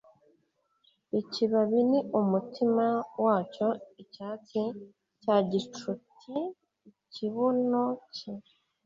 Ikibabi ni umutima wacyo icyatsi cya gicuti ikibuno cye